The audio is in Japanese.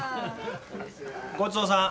ごちそうさん。